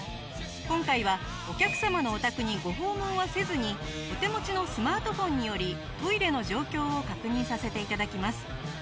今回はお客様のお宅にご訪問はせずにお手持ちのスマートフォンによりトイレの状況を確認させて頂きます。